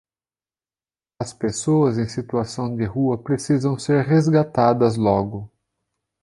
As pessoas em situação de rua precisam ser resgatadas logo